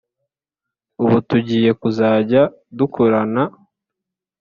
ubu tugiye kuzajya dukorana